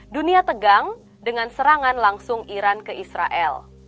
dunia tegang dengan serangan langsung iran ke israel